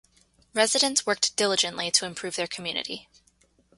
Residents worked diligently to improve their community.